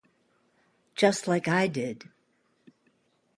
Just like I did.